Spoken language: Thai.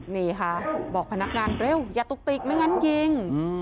นี่ค่ะบอกพนักงานเร็วอย่าตุกติกไม่งั้นยิง